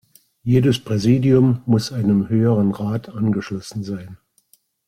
Jedes Präsidium muss einem höheren Rat angeschlossen sein.